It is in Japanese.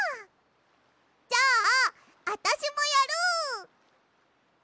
じゃああたしもやる！